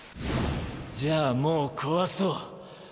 じゃあもう壊そう。